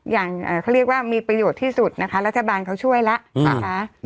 อย่างเขาเรียกว่ามีประโยชน์ที่สุดนะคะรัฐบาลเขาช่วยแล้วนะคะ